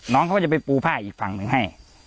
น้องเขาก็จะไปปูผ้าอีกฝั่งหนึ่งให้